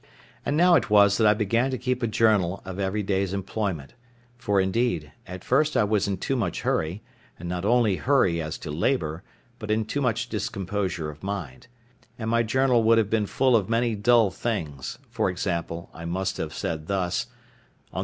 And now it was that I began to keep a journal of every day's employment; for, indeed, at first I was in too much hurry, and not only hurry as to labour, but in too much discomposure of mind; and my journal would have been full of many dull things; for example, I must have said thus: "30_th_.